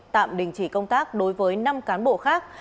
tạm đình chỉ công tác đối với năm cán bộ khác